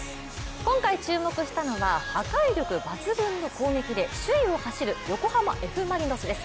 今回注目したのは、破壊力抜群の攻撃で首位を走る横浜Ｆ・マリノスです。